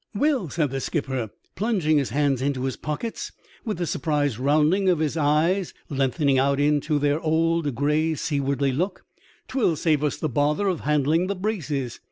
Well," said the skipper, plunging his hands into his pockets, with the surprised rounding of his eyes lengthening out into their old grey seawardly look, 'twill save us the bother of handling the braces.